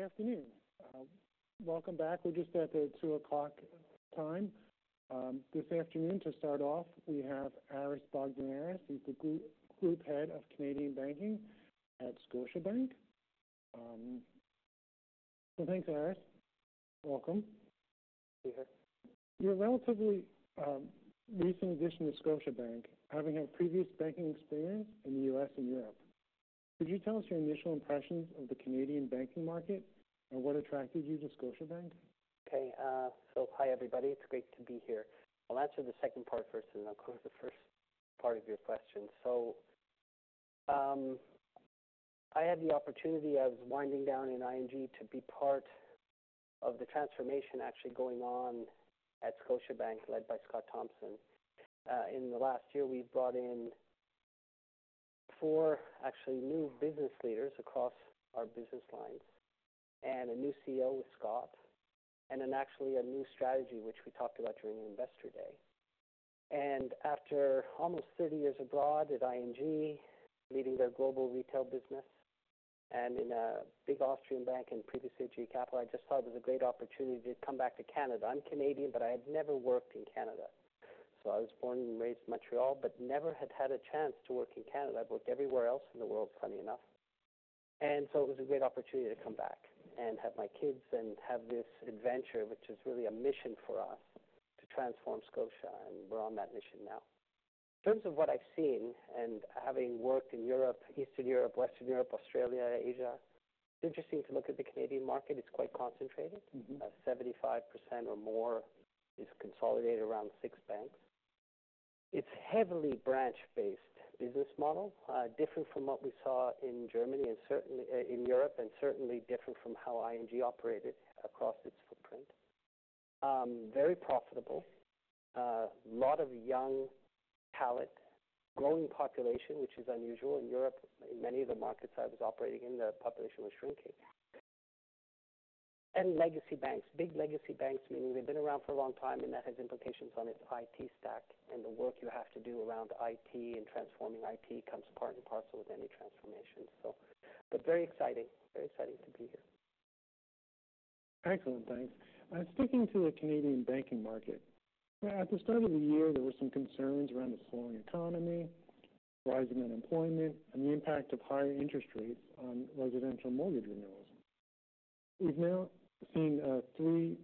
Good afternoon. Welcome back. We're just at the 2:00 P.M. time, this afternoon. To start off, we have Aris Bogdaneris. He's the Group Head of Canadian Banking at Scotiabank. So thanks, Aris. Welcome. Hey. You're a relatively recent addition to Scotiabank, having had previous banking experience in the U.S. and Europe. Could you tell us your initial impressions of the Canadian banking market, and what attracted you to Scotiabank? Okay, so hi, everybody. It's great to be here. I'll answer the second part first, and I'll cover the first part of your question. So, I had the opportunity, I was winding down in ING, to be part of the transformation actually going on at Scotiabank, led by Scott Thomson. In the last year, we've brought in four actually new business leaders across our business lines, and a new CEO with Scott, and then actually a new strategy, which we talked about during Investor Day. And after almost thirty years abroad at ING, leading their global retail business and in a big Austrian bank and previously GE Capital, I just thought it was a great opportunity to come back to Canada. I'm Canadian, but I had never worked in Canada, so I was born and raised in Montreal, but never had a chance to work in Canada. I've worked everywhere else in the world, funny enough, and so it was a great opportunity to come back and have my kids and have this adventure, which is really a mission for us to transform Scotia, and we're on that mission now. In terms of what I've seen, and having worked in Europe, Eastern Europe, Western Europe, Australia, Asia, it's interesting to look at the Canadian market. It's quite concentrated. Mm-hmm. 75% or more is consolidated around six banks. It's heavily branch-based business model, different from what we saw in Germany, and certainly in Europe, and certainly different from how ING operated across its footprint. Very profitable, a lot of young talent, growing population, which is unusual. In Europe, in many of the markets I was operating in, the population was shrinking, and legacy banks, big legacy banks, meaning they've been around for a long time, and that has implications on its IT stack and the work you have to do around IT and transforming IT comes part and parcel with any transformation, but very exciting. Very exciting to be here. Excellent. Thanks. Sticking to the Canadian banking market, at the start of the year, there were some concerns around the slowing economy, rising unemployment, and the impact of higher interest rates on residential mortgage renewals. We've now seen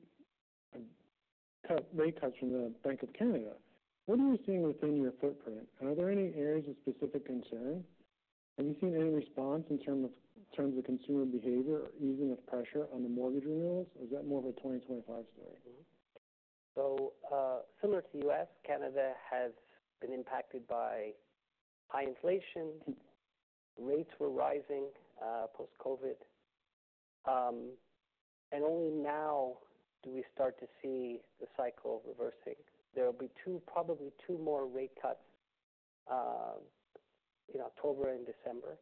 three rate cuts from the Bank of Canada. What are you seeing within your footprint? Are there any areas of specific concern? Have you seen any response in terms of consumer behavior or easing of pressure on the mortgage renewals, or is that more of a 2025 story? Similar to the U.S., Canada has been impacted by high inflation. Rates were rising, post-COVID, and only now do we start to see the cycle reversing. There will be two, probably two more rate cuts, in October and December.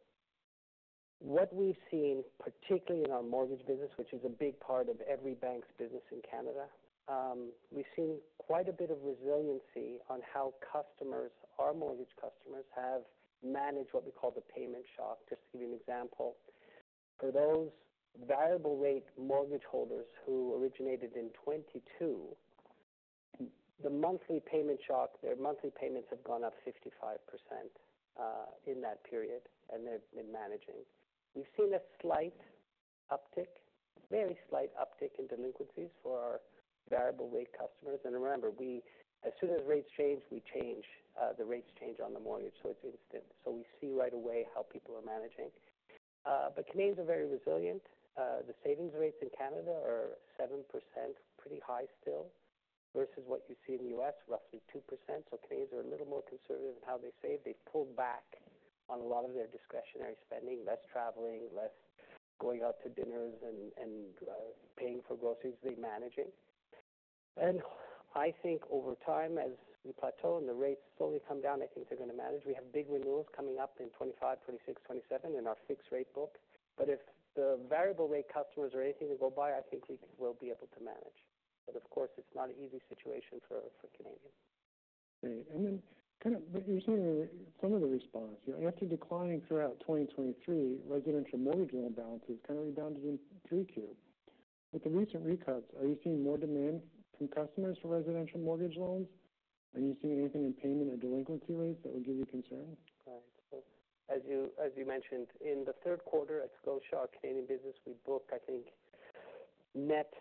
What we've seen, particularly in our mortgage business, which is a big part of every bank's business in Canada, we've seen quite a bit of resiliency on how customers, our mortgage customers, have managed what we call the payment shock. Just to give you an example, for those variable rate mortgage holders who originated in 2022, the monthly payment shock, their monthly payments have gone up 55%, in that period, and they've been managing. We've seen a slight uptick, very slight uptick in delinquencies for our variable rate customers. And remember, as soon as rates change, we change the rates on the mortgage, so it's instant. So we see right away how people are managing. But Canadians are very resilient. The savings rates in Canada are 7%, pretty high still, versus what you see in the U.S., roughly 2%. So Canadians are a little more conservative in how they save. They've pulled back on a lot of their discretionary spending, less traveling, less going out to dinners and paying for groceries. They're managing. And I think over time, as we plateau and the rates slowly come down, I think they're going to manage. We have big renewals coming up in 2025, 2026, 2027 in our fixed rate book, but if the variable rate customers are anything to go by, I think we will be able to manage. But of course, it's not an easy situation for Canadians. Great. And then kind of some of the response. After declining throughout 2023, residential mortgage loan balances kind of rebounded in 3Q. With the recent rate cuts, are you seeing more demand from customers for residential mortgage loans? Are you seeing anything in payment or delinquency rates that would give you concern? Right. So as you mentioned, in the third quarter at Scotiabank, Canadian business, we booked, I think, net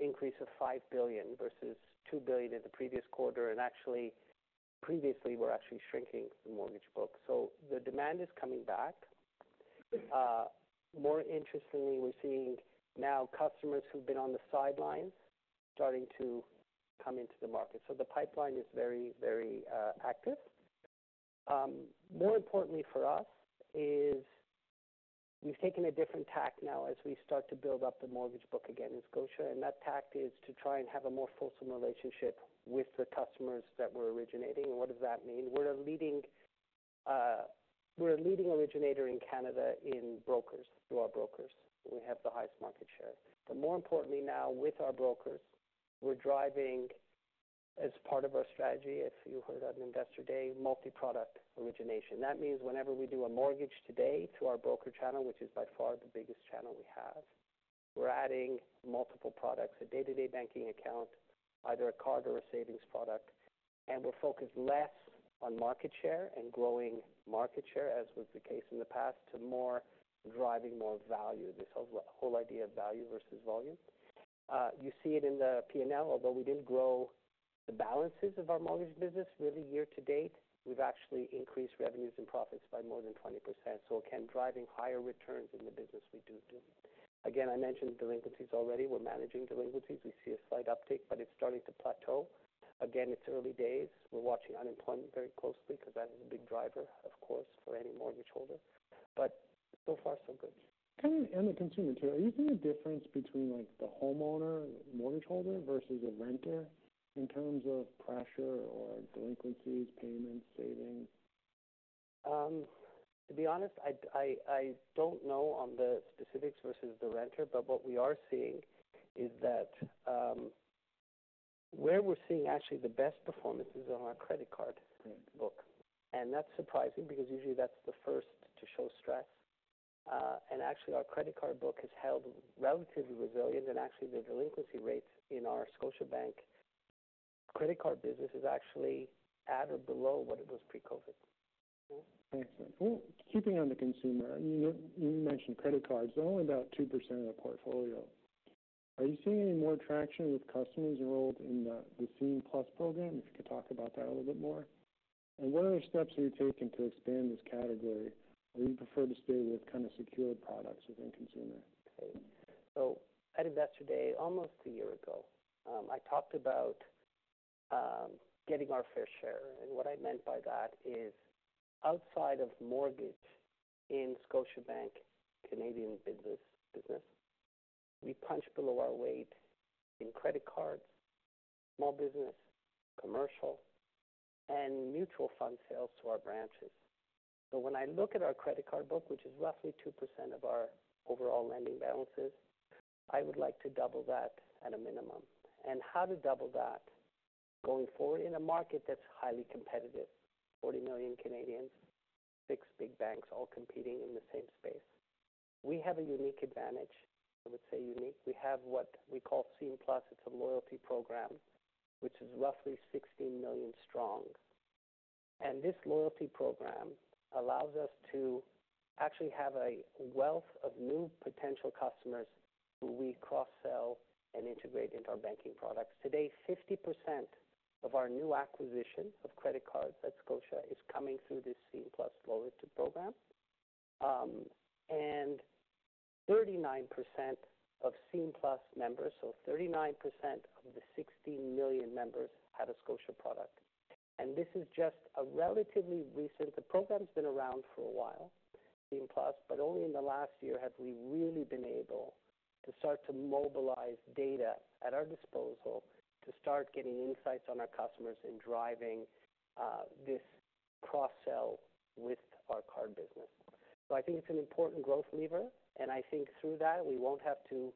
increase of 5 billion versus 2 billion in the previous quarter. And actually, previously, we're actually shrinking the mortgage book, so the demand is coming back. More interestingly, we're seeing now customers who've been on the sidelines starting to come into the market, so the pipeline is very active. More importantly for us is we've taken a different tack now as we start to build up the mortgage book again in Scotia, and that tack is to try and have a more fulsome relationship with the customers that we're originating. What does that mean? We're a leading originator in Canada in brokers, through our brokers. We have the highest market. But more importantly now, with our brokers, we're driving as part of our strategy, if you heard at Investor Day, multi-product origination. That means whenever we do a mortgage today through our broker channel, which is by far the biggest channel we have, we're adding multiple products: a day-to-day banking account, either a card or a savings product. And we're focused less on market share and growing market share, as was the case in the past, to more driving more value. This whole idea of value versus volume. You see it in the P&L. Although we didn't grow the balances of our mortgage business really year to date, we've actually increased revenues and profits by more than 20%, so again, driving higher returns in the business we do. Again, I mentioned delinquencies already. We're managing delinquencies. We see a slight uptick, but it's starting to plateau. Again, it's early days. We're watching unemployment very closely because that is a big driver, of course, for any mortgage holder. But so far, so good. Kind of in the consumer too, are you seeing a difference between, like, the homeowner, mortgage holder versus a renter in terms of pressure or delinquencies, payments, savings? To be honest, I don't know on the specifics versus the renter, but what we are seeing is that, where we're seeing actually the best performances on our credit card book, and that's surprising because usually that's the first to show stress. And actually, our credit card book has held relatively resilient, and actually, the delinquency rates in our Scotiabank credit card business is actually at or below what it was pre-COVID. Excellent. Keeping on the consumer, you mentioned credit cards. They're only about 2% of the portfolio. Are you seeing any more traction with customers enrolled in the Scene+ program? If you could talk about that a little bit more. What other steps are you taking to expand this category? Do you prefer to stay with kind of secured products within consumer? So at Investor Day, almost a year ago, I talked about getting our fair share, and what I meant by that is outside of mortgage in Scotiabank, Canadian business, we punch below our weight in credit cards, small business, commercial, and mutual fund sales to our branches. So when I look at our credit card book, which is roughly 2% of our overall lending balances, I would like to double that at a minimum. And how to double that going forward in a market that's highly competitive, 40 million Canadians, 6 big banks, all competing in the same space. We have a unique advantage. I would say unique. We have what we call Scene+. It's a loyalty program, which is roughly 16 million strong. This loyalty program allows us to actually have a wealth of new potential customers who we cross-sell and integrate into our banking products. Today, 50% of our new acquisition of credit cards at Scotia is coming through this Scene+ loyalty program, and 39% of Scene+ members, so 39% of the sixteen million members, have a Scotia product. This is just a relatively recent. The program's been around for a while, Scene+, but only in the last year have we really been able to start to mobilize data at our disposal, to start getting insights on our customers and driving this cross-sell with our card business. So I think it's an important growth lever, and I think through that, we won't have to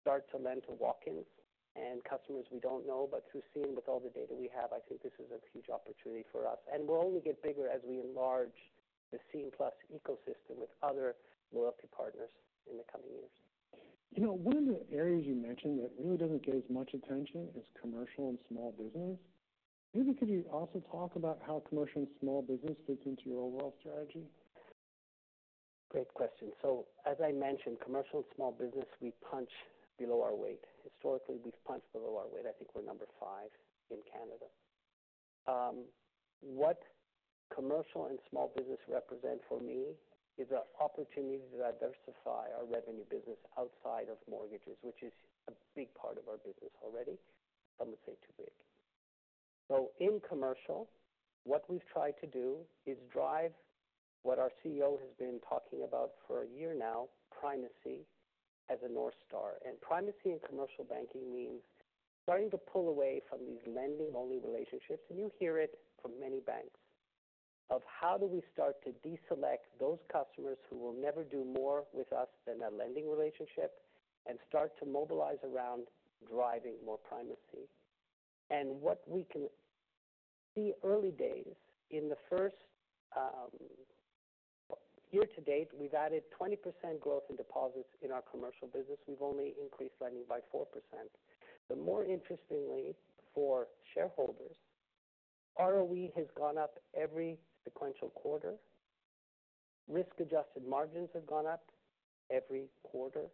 start to lend to walk-ins and customers we don't know, but through Scene+, with all the data we have, I think this is a huge opportunity for us, and will only get bigger as we enlarge the Scene+ ecosystem with other loyalty partners in the coming years. You know, one of the areas you mentioned that really doesn't get as much attention is commercial and small business. Maybe could you also talk about how commercial and small business fits into your overall strategy? Great question. So as I mentioned, commercial and small business, we punch below our weight. Historically, we've punched below our weight. I think we're number five in Canada. What commercial and small business represent for me is an opportunity to diversify our revenue business outside of mortgages, which is a big part of our business already. I would say too big. So in commercial, what we've tried to do is drive what our CEO has been talking about for a year now, primacy as a North Star. And primacy in commercial banking means starting to pull away from these lending-only relationships, and you hear it from many banks, of how do we start to deselect those customers who will never do more with us than a lending relationship, and start to mobilize around driving more primacy? What we can see, early days, in the first year to date, we've added 20% growth in deposits in our commercial business. We've only increased lending by 4%. But more interestingly for shareholders, ROE has gone up every sequential quarter, risk-adjusted margins have gone up every quarter,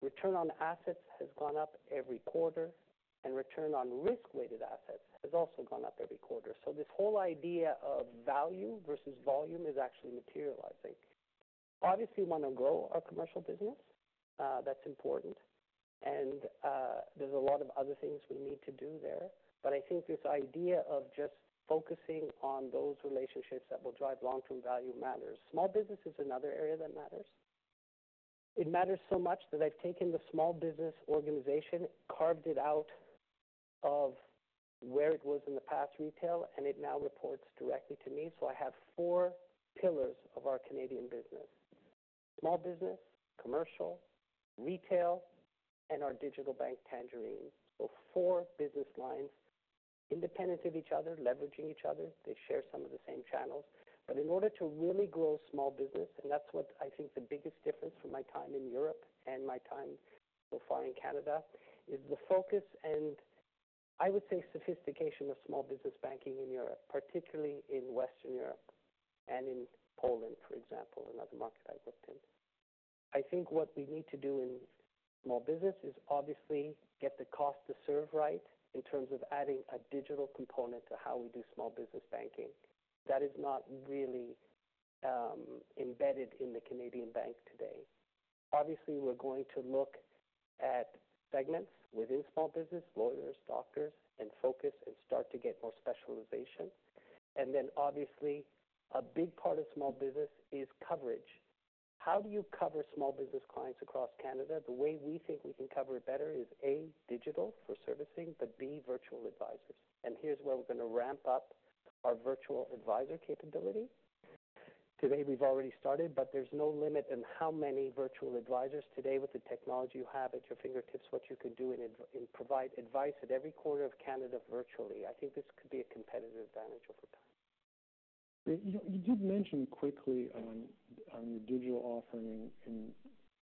return on assets has gone up every quarter, and return on risk-weighted assets has also gone up every quarter. So this whole idea of value versus volume is actually materializing. Obviously, we want to grow our commercial business. That's important, and there's a lot of other things we need to do there. But I think this idea of just focusing on those relationships that will drive long-term value matters. Small business is another area that matters. It matters so much that I've taken the small business organization, carved it out of where it was in the past retail, and it now reports directly to me. So I have four pillars of our Canadian business: small business, commercial, retail, and our digital bank, Tangerine. So four business lines, independent of each other, leveraging each other. They share some of the same channels. But in order to really grow small business, and that's what I think the biggest difference from my time in Europe and my time so far in Canada, is the focus, and I would say, sophistication of small business banking in Europe, particularly in Western Europe and in Poland, for example, another market I've worked in. I think what we need to do in small business is obviously get the cost to serve right in terms of adding a digital component to how we do small business banking. That is not really embedded in the Canadian bank today. Obviously, we're going to look at segments within small business, lawyers, doctors, and focus and start to get more specialization, and then obviously, a big part of small business is coverage. How do you cover small business clients across Canada? The way we think we can cover it better is, A, digital for servicing, but B, virtual advisors, and here's where we're going to ramp up our virtual advisor capability. Today, we've already started, but there's no limit in how many virtual advisors. Today, with the technology you have at your fingertips, what you can do and provide advice at every corner of Canada virtually, I think this could be a competitive advantage over time. You did mention quickly on your digital offering in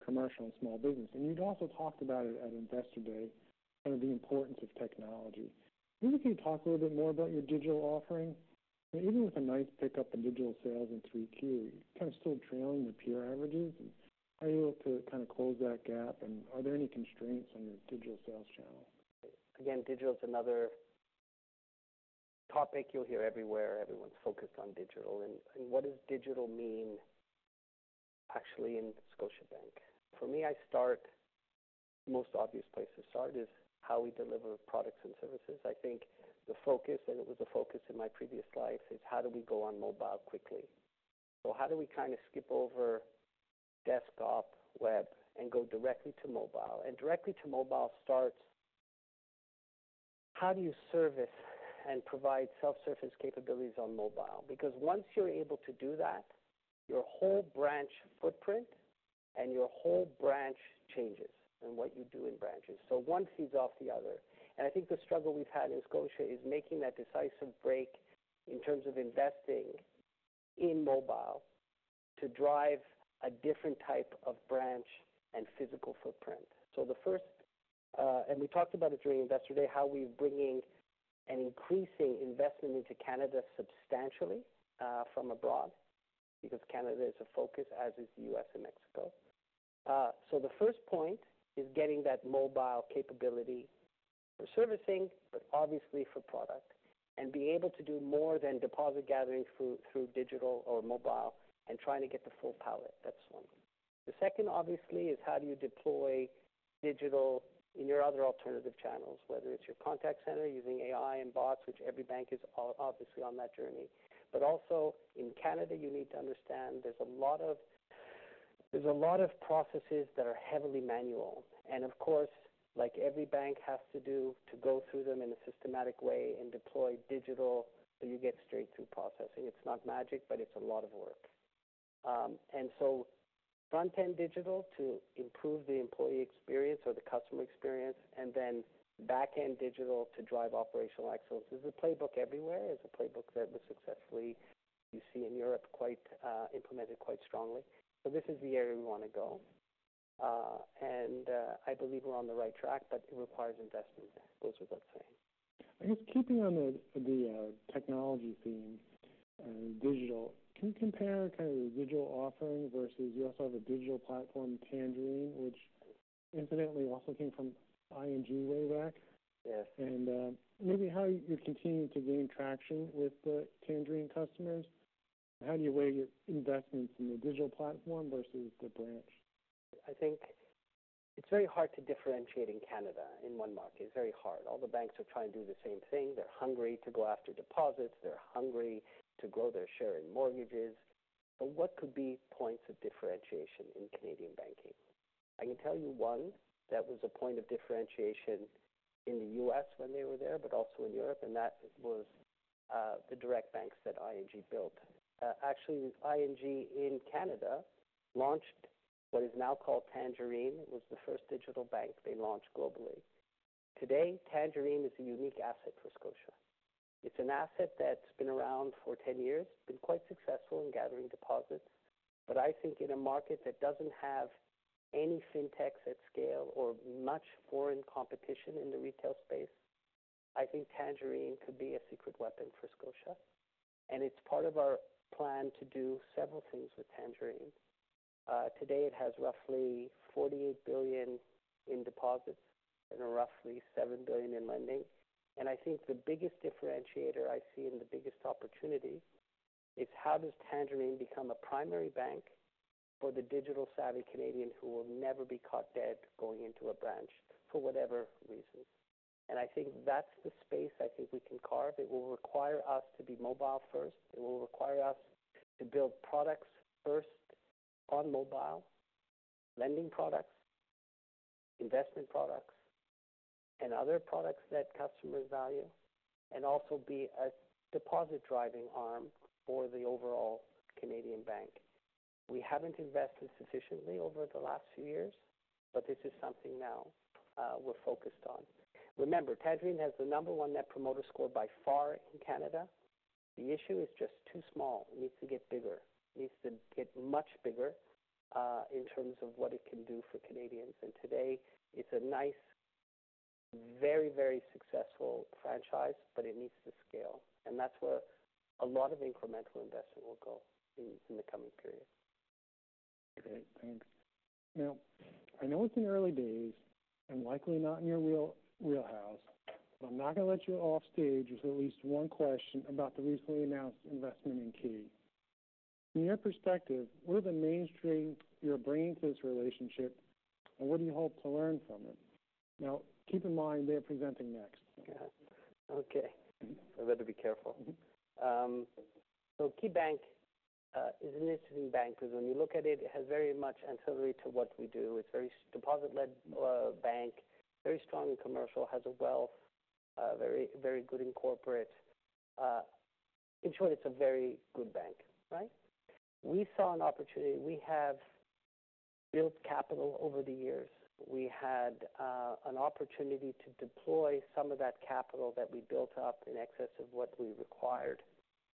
commercial and small business, and you'd also talked about it at Investor Day, kind of the importance of technology. Maybe can you talk a little bit more about your digital offering? Even with a nice pickup in digital sales in 3Q, you're kind of still trailing your peer averages. And are you able to kind of close that gap, and are there any constraints on your digital sales channel? Again, digital is another topic you'll hear everywhere. Everyone's focused on digital, and, and what does digital mean actually in Scotiabank? For me, I start the most obvious place to start is how we deliver products and services. I think the focus, and it was a focus in my previous life, is how do we go on mobile quickly, so how do we kind of skip over desktop, web, and go directly to mobile, and directly to mobile starts, how do you service and provide self-service capabilities on mobile? Because once you're able to do that, your whole branch footprint and your whole branch changes, and what you do in branches, so one feeds off the other, and I think the struggle we've had in Scotia is making that decisive break in terms of investing in mobile to drive a different type of branch and physical footprint. So the first, and we talked about it during Investor Day, how we're bringing an increasing investment into Canada substantially from abroad, because Canada is a focus, as is the U.S. and Mexico. So the first point is getting that mobile capability for servicing, but obviously for product, and being able to do more than deposit gathering through digital or mobile and trying to get the full palette. That's one. The second, obviously, is how do you deploy digital in your other alternative channels, whether it's your contact center using AI and bots, which every bank is obviously on that journey. But also in Canada, you need to understand there's a lot of processes that are heavily manual. And of course, like every bank has to do, to go through them in a systematic way and deploy digital so you get straight-through processing. It's not magic, but it's a lot of work. And so front-end digital to improve the employee experience or the customer experience, and then back-end digital to drive operational excellence. There's a playbook everywhere. There's a playbook that was successfully, you see in Europe, implemented quite strongly. So this is the area we want to go. And I believe we're on the right track, but it requires investment. Goes without saying. I guess keeping on the technology theme and digital, can you compare kind of the digital offering versus you also have a digital platform, Tangerine, which incidentally also came from ING way back? Yes. Maybe how you're continuing to gain traction with the Tangerine customers? How do you weigh your investments in the digital platform versus the branch? I think it's very hard to differentiate in Canada, in one market. It's very hard. All the banks are trying to do the same thing. They're hungry to go after deposits. They're hungry to grow their share in mortgages. So what could be points of differentiation in Canadian banking? I can tell you one that was a point of differentiation in the U.S. when they were there, but also in Europe, and that was the direct banks that ING built. Actually, ING in Canada launched what is now called Tangerine. It was the first digital bank they launched globally. Today, Tangerine is a unique asset for Scotia. It's an asset that's been around for ten years, been quite successful in gathering deposits, but I think in a market that doesn't have any fintechs at scale or much foreign competition in the retail space, I think Tangerine could be a secret weapon for Scotia, and it's part of our plan to do several things with Tangerine. Today, it has roughly 48 billion in deposits and roughly 7 billion in lending. And I think the biggest differentiator I see and the biggest opportunity is how does Tangerine become a primary bank for the digital-savvy Canadian who will never be caught dead going into a branch for whatever reason? And I think that's the space I think we can carve. It will require us to be mobile first. It will require us to build products first on mobile, lending products, investment products, and other products that customers value, and also be a deposit-driving arm for the overall Canadian bank. We haven't invested sufficiently over the last few years, but this is something now we're focused on. Remember, Tangerine has the number one Net Promoter Score by far in Canada. The issue is just too small. It needs to get bigger. It needs to get much bigger in terms of what it can do for Canadians. Today it's a nice, very, very successful franchise, but it needs to scale, and that's where a lot of incremental investment will go in in the coming period. Okay, thanks. Now, I know it's in the early days and likely not in your real wheelhouse, but I'm not going to let you off stage with at least one question about the recently announced investment in KeyBank. From your perspective, what are the main strengths you're bringing to this relationship, and what do you hope to learn from it? Now, keep in mind, they're presenting next. Okay. I better be careful. So KeyBank is an interesting bank because when you look at it, it has very much ancillary to what we do. It's very deposit-led bank, very strong in commercial, has a wealth very, very good in corporate. In short, it's a very good bank, right? We saw an opportunity. We have built capital over the years. We had an opportunity to deploy some of that capital that we built up in excess of what we required,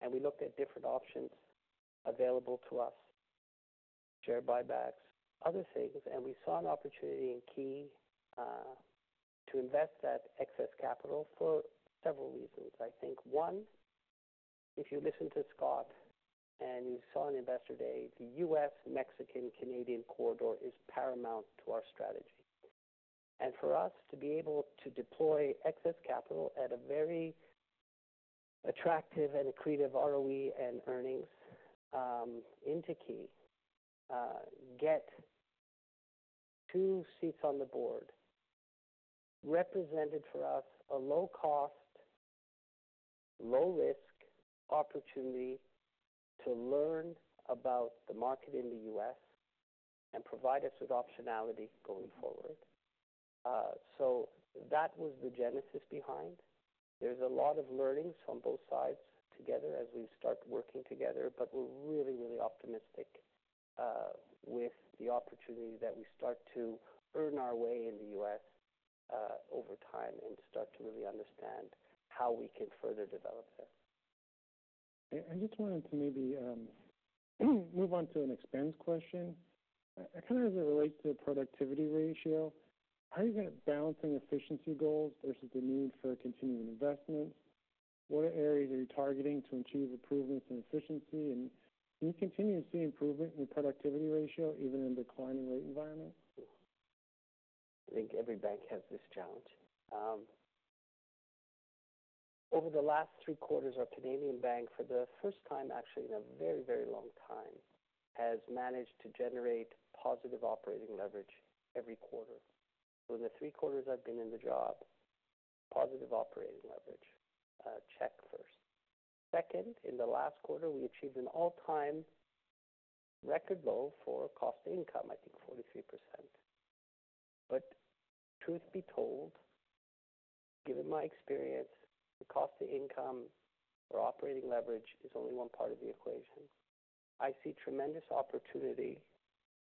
and we looked at different options available to us, share buybacks, other things, and we saw an opportunity in Key to invest that excess capital for several reasons. I think one, if you listen to Scott and you saw on Investor Day, the U.S., Mexican, Canadian corridor is paramount to our strategy. And for us to be able to deploy excess capital at a very attractive and accretive ROE and earnings, into KeyBank, get two seats on the board, represented for us a low cost, low risk opportunity to learn about the market in the U.S. and provide us with optionality going forward. So that was the genesis behind. There's a lot of learnings from both sides together as we start working together, but we're really, really optimistic, with the opportunity that we start to earn our way in the U.S., over time and start to really understand how we can further develop this. I just wanted to maybe move on to an expense question. It kind of relates to the productivity ratio. How are you balancing efficiency goals versus the need for continuing investments? What areas are you targeting to achieve improvements in efficiency? And do you continue to see improvement in productivity ratio even in declining rate environment? I think every bank has this challenge. Over the last three quarters, our Canadian bank, for the first time, actually in a very, very long time, has managed to generate positive operating leverage every quarter. For the three quarters I've been in the job, positive operating leverage. Check first. Second, in the last quarter, we achieved an all-time record low for cost to income, I think 43%. But truth be told, given my experience, the cost to income or operating leverage is only one part of the equation. I see tremendous opportunity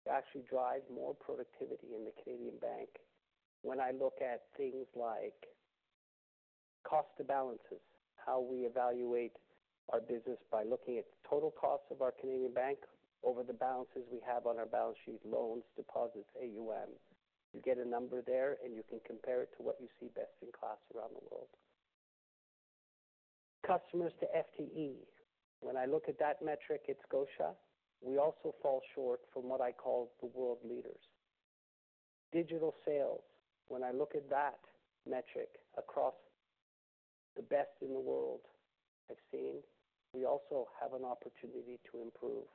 to actually drive more productivity in the Canadian bank when I look at things like cost to balances, how we evaluate our business by looking at the total cost of our Canadian bank over the balances we have on our balance sheet, loans, deposits, AUM. You get a number there, and you can compare it to what you see best in class around the world. Customers to FTE. When I look at that metric, it's Scotia. We also fall short from what I call the world leaders. Digital sales. When I look at that metric across the best in the world I've seen, we also have an opportunity to improve.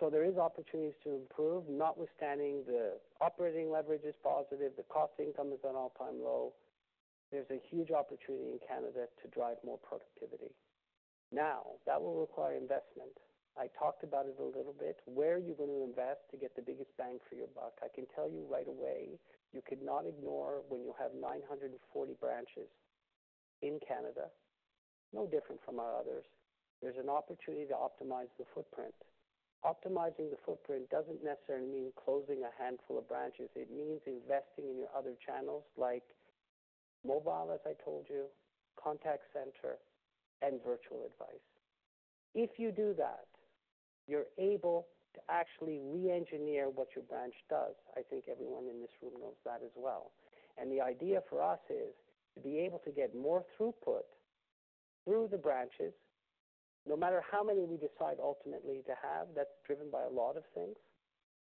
So there is opportunities to improve, notwithstanding the operating leverage is positive, the cost income is at an all-time low. There's a huge opportunity in Canada to drive more productivity. Now, that will require investment. I talked about it a little bit. Where are you going to invest to get the biggest bang for your buck? I can tell you right away, you could not ignore when you have 940 branches in Canada, no different from our others. There's an opportunity to optimize the footprint. Optimizing the footprint doesn't necessarily mean closing a handful of branches. It means investing in your other channels like mobile, as I told you, contact center, and virtual advice. If you do that, you're able to actually reengineer what your branch does. I think everyone in this room knows that as well, and the idea for us is to be able to get more throughput through the branches, no matter how many we decide ultimately to have. That's driven by a lot of things,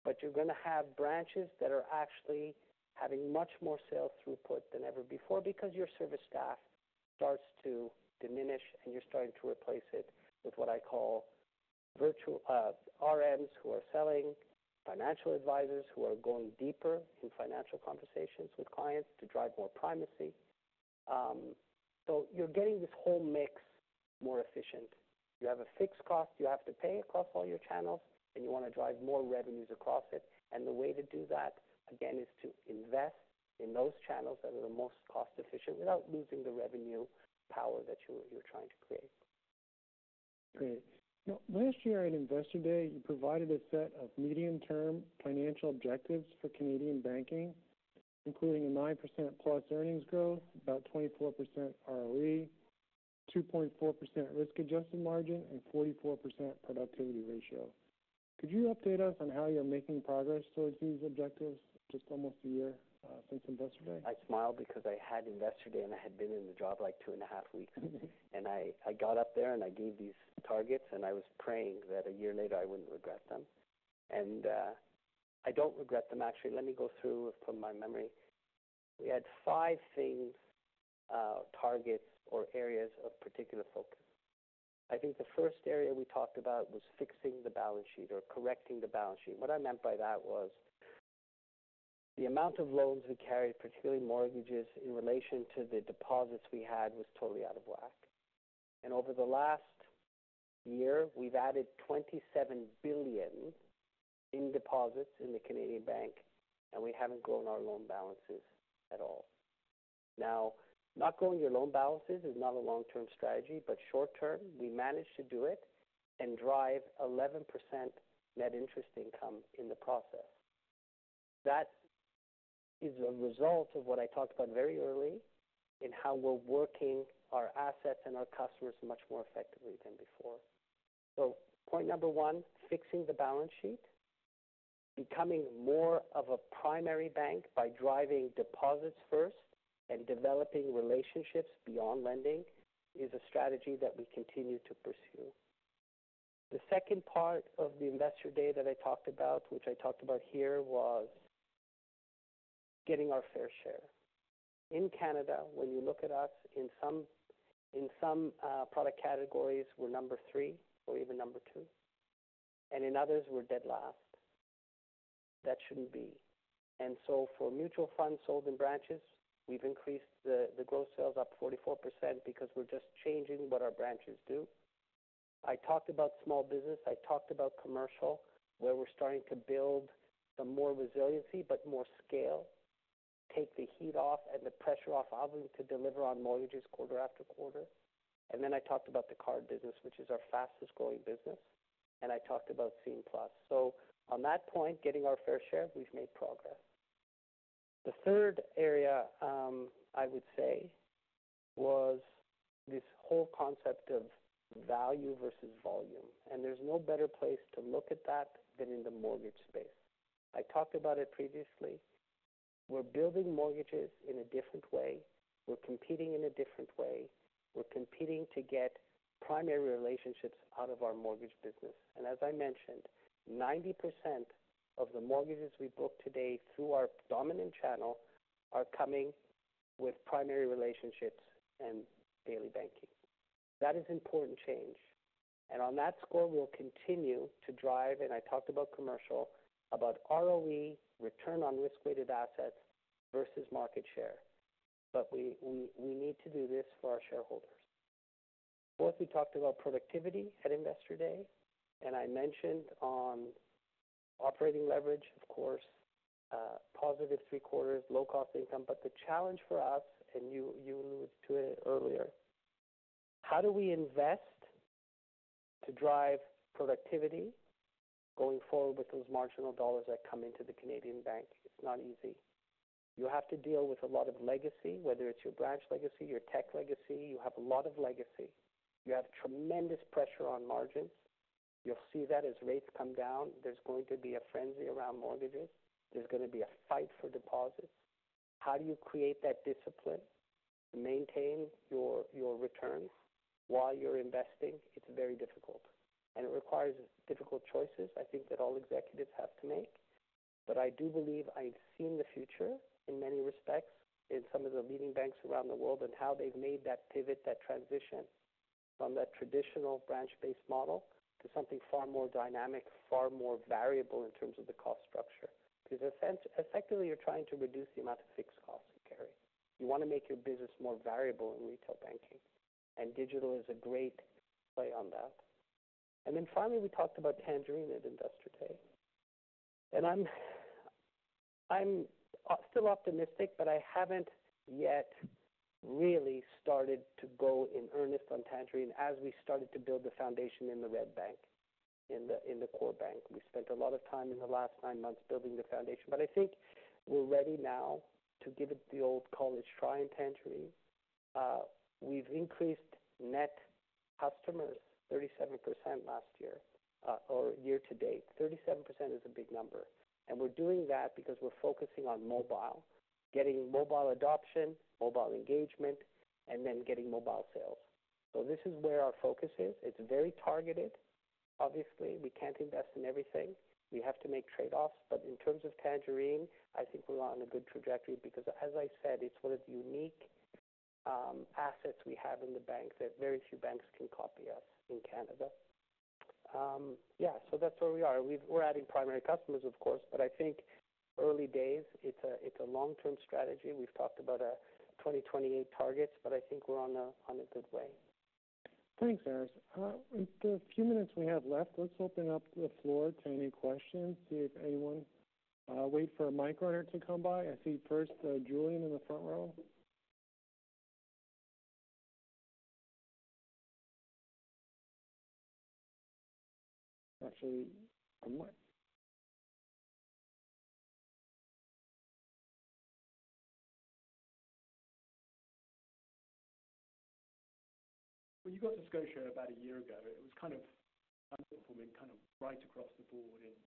but you're going to have branches that are actually having much more sales throughput than ever before, because your service staff starts to diminish, and you're starting to replace it with what I call virtual, we're selling financial advisors who are going deeper in financial conversations with clients to drive more primacy. So you're getting this whole mix more efficient. You have a fixed cost you have to pay across all your channels, and you want to drive more revenues across it. And the way to do that, again, is to invest in those channels that are the most cost-efficient without losing the revenue power that you're trying to create. Great. Now, last year at Investor Day, you provided a set of medium-term financial objectives for Canadian banking, including a 9% plus earnings growth, about 24% ROE, 2.4% risk-adjusted margin, and 44% productivity ratio. Could you update us on how you're making progress towards these objectives just almost a year since Investor Day? I smiled because I had Investor Day, and I had been in the job, like, two and a half weeks. Mm-hmm. I got up there, and I gave these targets, and I was praying that a year later, I wouldn't regret them. I don't regret them. Actually, let me go through from my memory. We had five things, targets or areas of particular focus. I think the first area we talked about was fixing the balance sheet or correcting the balance sheet. What I meant by that was the amount of loans we carried, particularly mortgages, in relation to the deposits we had, was totally out of whack. Over the last year, we've added 27 billion in deposits in the Canadian bank, and we haven't grown our loan balances at all. Now, not growing your loan balances is not a long-term strategy, but short term, we managed to do it and drive 11% net interest income in the process. That is a result of what I talked about very early in how we're working our assets and our customers much more effectively than before, so point number one, fixing the balance sheet, becoming more of a primary bank by driving deposits first and developing relationships beyond lending, is a strategy that we continue to pursue. The second part of the Investor Day that I talked about, which I talked about here, was getting our fair share. In Canada, when you look at us in some product categories, we're number three or even number two, and in others, we're dead last. That shouldn't be, and so for mutual funds sold in branches, we've increased the gross sales up 44% because we're just changing what our branches do. I talked about small business. I talked about commercial, where we're starting to build some more resiliency, but more scale, take the heat off and the pressure off of them to deliver on mortgages quarter after quarter. And then I talked about the card business, which is our fastest-growing business, and I talked about Scene+. So on that point, getting our fair share, we've made progress. The third area, I would say, was this whole concept of value versus volume, and there's no better place to look at that than in the mortgage space. I talked about it previously. We're building mortgages in a different way. We're competing in a different way. We're competing to get primary relationships out of our mortgage business. And as I mentioned, 90% of the mortgages we book today through our dominant channel are coming with primary relationships and daily banking. That is important change. And on that score, we'll continue to drive, and I talked about commercial, about ROE, return on risk-weighted assets versus market share, but we need to do this for our shareholders. Fourth, we talked about productivity at Investor Day, and I mentioned on operating leverage, of course, positive three quarters, low-cost income. But the challenge for us, and you alluded to it earlier, how do we invest to drive productivity going forward with those marginal dollars that come into the Canadian bank? It's not easy. You have to deal with a lot of legacy, whether it's your branch legacy, your tech legacy, you have a lot of legacy. You have tremendous pressure on margins. You'll see that as rates come down, there's going to be a frenzy around mortgages. There's going to be a fight for deposits. How do you create that discipline to maintain your, your returns while you're investing? It's very difficult, and it requires difficult choices, I think, that all executives have to make. But I do believe I've seen the future in many respects, in some of the leading banks around the world, and how they've made that pivot, that transition from that traditional branch-based model to something far more dynamic, far more variable in terms of the cost structure. Because effectively, you're trying to reduce the amount of fixed costs you carry. You want to make your business more variable in retail banking, and digital is a great play on that. And then finally, we talked about Tangerine at Investor Day, and I'm still optimistic, but I haven't yet really started to go in earnest on Tangerine as we started to build the foundation in the retail bank, in the core bank. We spent a lot of time in the last nine months building the foundation, but I think we're ready now to give it the old college try in Tangerine. We've increased net customers 37% last year or year to date. 37% is a big number, and we're doing that because we're focusing on mobile, getting mobile adoption, mobile engagement, and then getting mobile sales. So this is where our focus is. It's very targeted. Obviously, we can't invest in everything. We have to make trade-offs. But in terms of Tangerine, I think we're on a good trajectory because, as I said, it's one of the unique assets we have in the bank that very few banks can copy us in Canada. Yeah, so that's where we are. We're adding primary customers, of course, but I think it's early days. It's a long-term strategy. We've talked about our 2028 targets, but I think we're on a good way. Thanks, Aris. With the few minutes we have left, let's open up the floor to any questions, see if anyone, wait for a mic runner to come by. I see first, Julian in the front row. Actually, one more. When you got to Scotia about a year ago, it was kind of underperforming, kind of right across the board, and.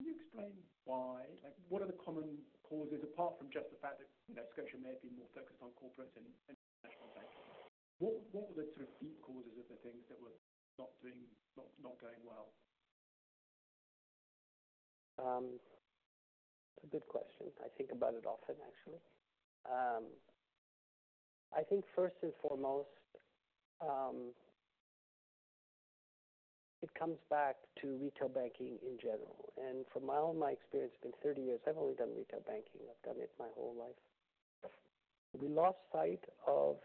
Can you explain why? Like, what are the common causes, apart from just the fact that, you know, Scotia may have been more focused on corporates and international banks. What were the sort of deep causes of the things that were not going well? It's a good question. I think about it often, actually. I think first and foremost, it comes back to retail banking in general. And from all my experience, it's been thirty years, I've only done retail banking. I've done it my whole life. We lost sight of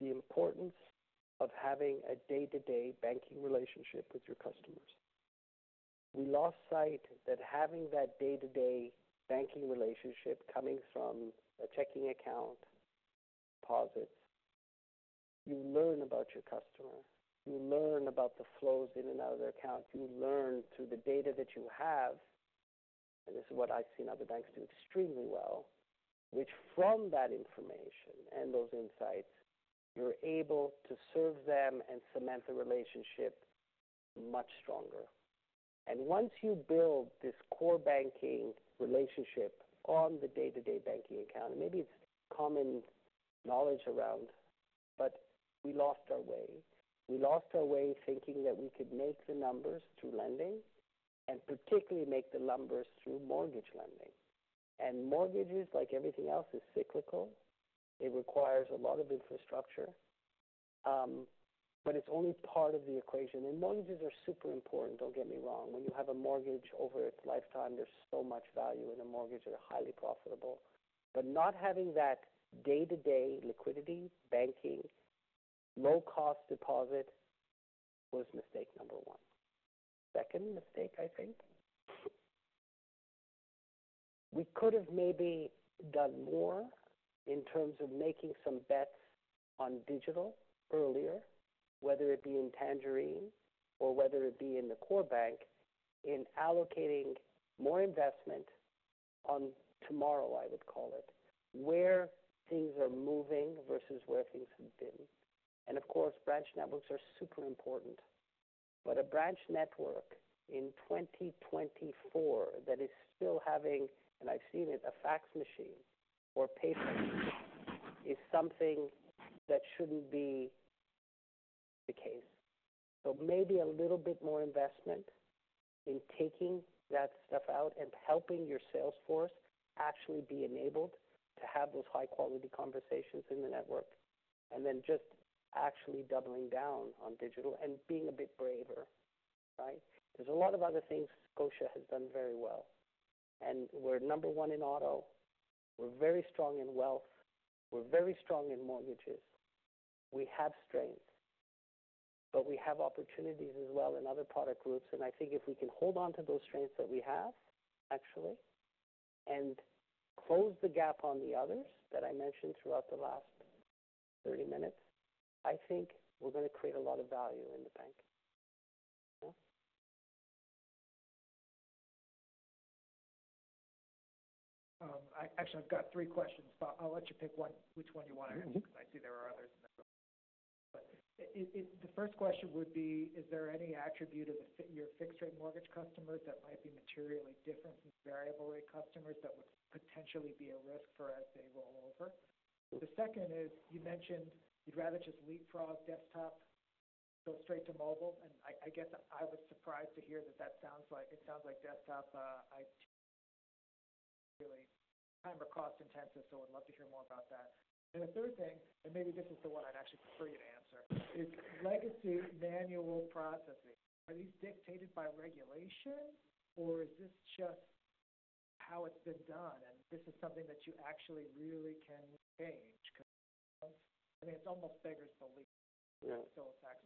the importance of having a day-to-day banking relationship with your customers. We lost sight that having that day-to-day banking relationship coming from a checking account, deposits, you learn about your customer, you learn about the flows in and out of their account. You learn through the data that you have, and this is what I've seen other banks do extremely well, which from that information and those insights, you're able to serve them and cement the relationship much stronger. And once you build this core banking relationship on the day-to-day banking account, and maybe it's common knowledge around, but we lost our way. We lost our way thinking that we could make the numbers through lending, and particularly make the numbers through mortgage lending, and mortgages, like everything else, is cyclical. It requires a lot of infrastructure, but it's only part of the equation, and mortgages are super important, don't get me wrong. When you have a mortgage over its lifetime, there's so much value, and a mortgage are highly profitable, but not having that day-to-day liquidity, banking, low-cost deposit was mistake number one. Second mistake, I think, we could have maybe done more in terms of making some bets on digital earlier, whether it be in Tangerine or whether it be in the core bank, in allocating more investment on tomorrow, I would call it, where things are moving versus where things have been, and of course, branch networks are super important, but a branch network in twenty twenty-four that is still having, and I've seen it, a fax machine or paper is something that shouldn't be the case, so maybe a little bit more investment in taking that stuff out and helping your sales force actually be enabled to have those high-quality conversations in the network, and then just actually doubling down on digital and being a bit braver, right? There's a lot of other things Scotia has done very well, and we're number one in auto. We're very strong in wealth. We're very strong in mortgages. We have strength, but we have opportunities as well in other product groups, and I think if we can hold on to those strengths that we have, actually, and close the gap on the others that I mentioned throughout the last 30 minutes, I think we're going to create a lot of value in the bank. I actually, I've got three questions, but I'll let you pick one, which one you want to answer, because I see there are others. But the first question would be: Is there any attribute of your fixed-rate mortgage customers that might be materially different from variable-rate customers that would potentially be a risk for as they roll over? The second is: You mentioned you'd rather just leapfrog desktop, go straight to mobile, and I guess I was surprised to hear that it sounds like desktop IT really time or cost intensive, so I'd love to hear more about that. And the third thing, and maybe this is the one I'd actually prefer you to answer, is legacy manual processing. Are these dictated by regulation, or is this just how it's been done, and this is something that you actually really can change? Because, I mean, it's almost beggars belief. Yeah. Still a fact.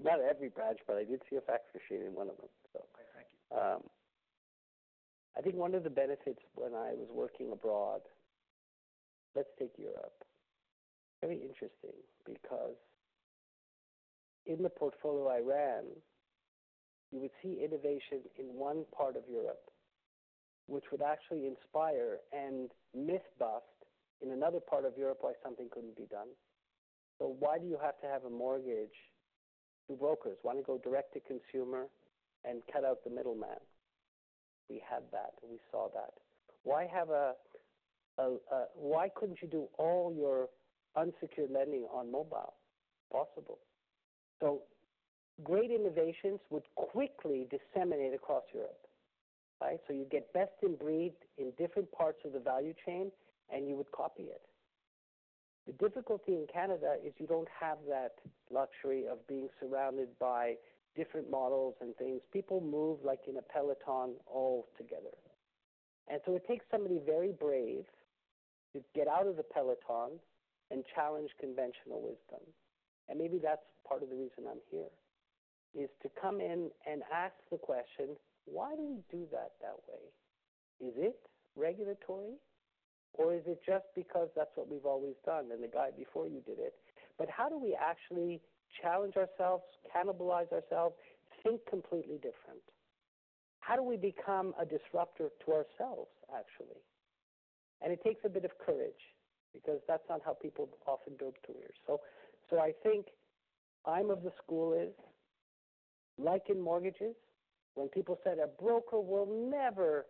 Not every branch, but I did see a fax machine in one of them, so. Okay, thank you. I think one of the benefits when I was working abroad. Let's take Europe. Very interesting, because in the portfolio I ran, you would see innovation in one part of Europe, which would actually inspire and myth bust in another part of Europe, why something couldn't be done. So why do you have to have a mortgage through brokers? Why don't go direct to consumer and cut out the middleman? We had that, and we saw that. Why couldn't you do all your unsecured lending on mobile? Possible. So great innovations would quickly disseminate across Europe, right? So you get best in breed in different parts of the value chain, and you would copy it. The difficulty in Canada is you don't have that luxury of being surrounded by different models and things. People move like in a peloton all together. It takes somebody very brave to get out of the peloton and challenge conventional wisdom. Maybe that's part of the reason I'm here, is to come in and ask the question: Why do we do that that way? Is it regulatory, or is it just because that's what we've always done, and the guy before you did it? How do we actually challenge ourselves, cannibalize ourselves, think completely different? How do we become a disruptor to ourselves, actually? It takes a bit of courage because that's not how people often build careers. I think I'm of the school is, like in mortgages, when people said a broker will never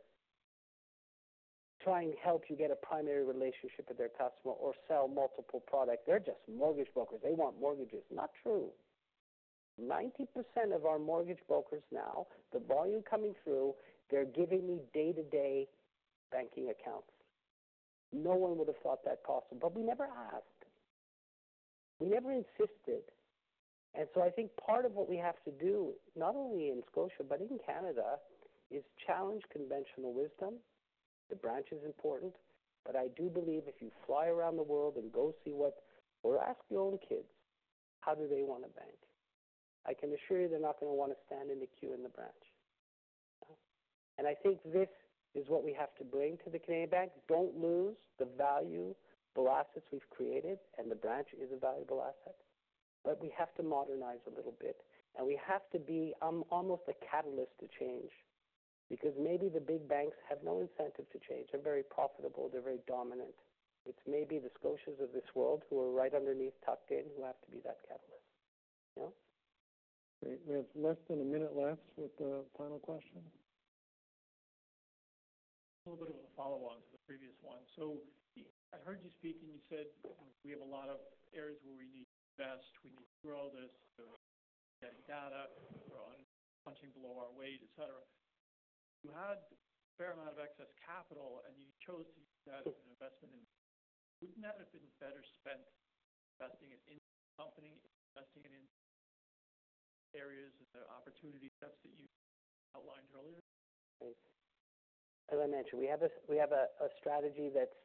try and help you get a primary relationship with their customer or sell multiple products. They're just mortgage brokers. They want mortgages. Not true. 90% of our mortgage brokers now, the volume coming through, they're giving me day-to-day banking accounts. No one would have thought that possible, but we never asked. We never insisted. And so I think part of what we have to do, not only in Scotia, but in Canada, is challenge conventional wisdom. The branch is important, but I do believe if you fly around the world and go see what or ask the older kids, how do they want to bank? I can assure you they're not going to want to stand in the queue in the branch. And I think this is what we have to bring to the Canadian bank. Don't lose the value, the assets we've created, and the branch is a valuable asset. But we have to modernize a little bit, and we have to be almost a catalyst to change, because maybe the big banks have no incentive to change. They're very profitable, they're very dominant. It's maybe the Scotias of this world who are right underneath, tucked in, who have to be that catalyst. You know? Great. We have less than a minute left with the final question. A little bit of a follow-on to the previous one. So I heard you speak, and you said we have a lot of areas where we need to invest, we need to grow this, getting data, punching below our weight, et cetera. You had a fair amount of excess capital, and you chose to use that as an investment in. Wouldn't that have been better spent investing it in the company, investing it in areas of the opportunity gaps that you outlined earlier? As I mentioned, we have a strategy that's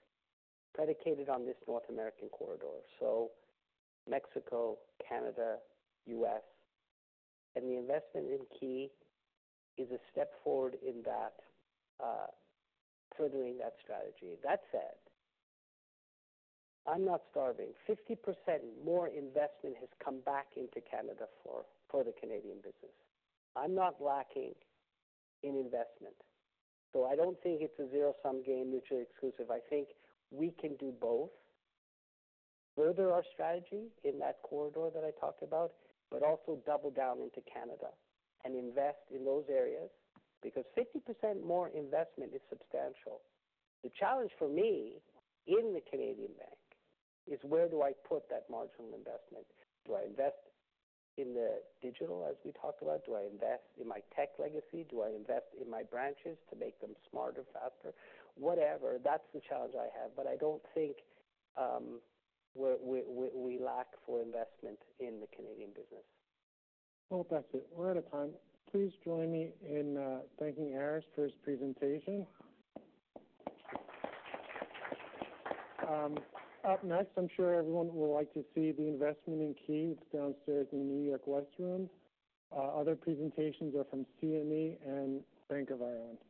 predicated on this North American corridor, so Mexico, Canada, U.S., and the investment in KeyBank is a step forward in that, furthering that strategy. That said, I'm not starving. 50% more investment has come back into Canada for the Canadian business. I'm not lacking in investment, so I don't think it's a zero-sum game, mutually exclusive. I think we can do both, further our strategy in that corridor that I talked about, but also double down into Canada and invest in those areas, because 50% more investment is substantial. The challenge for me in the Canadian bank is where do I put that marginal investment? Do I invest in the digital, as we talked about? Do I invest in my tech legacy? Do I invest in my branches to make them smarter, faster? Whatever. That's the challenge I have, but I don't think we lack for investment in the Canadian business. That's it. We're out of time. Please join me in thanking Aris for his presentation. Up next, I'm sure everyone will like to see the investment in KeyBank. It's downstairs in the New York West Room. Other presentations are from CME and Bank of Ireland.